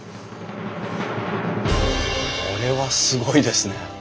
これはすごいですね。